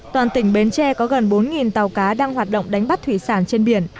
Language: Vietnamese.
toàn tỉnh bến tre có gần bốn tàu cá đang hoạt động đánh bắt thủy sản trên biển